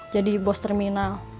jadi bos terminal